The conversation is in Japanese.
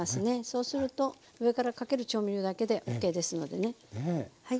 そうすると上からかける調味料だけでＯＫですのでね。